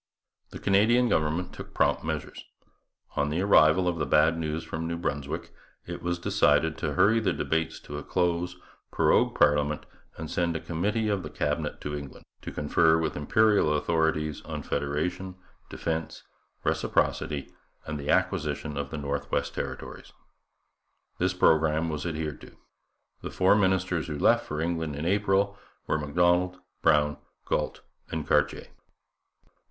The Canadian government took prompt measures. On the arrival of the bad news from New Brunswick it was decided to hurry the debates to a close, prorogue parliament, and send a committee of the Cabinet to England to confer with the Imperial authorities on federation, defence, reciprocity, and the acquisition of the North West Territories. This programme was adhered to. The four ministers who left for England in April were Macdonald, Brown, Galt, and Cartier.